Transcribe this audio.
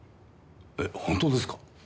えっ本当ですか？